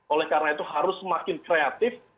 oleh karena itu harus semakin kreatif